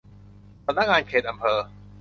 สำนักงานเขตอำเภอ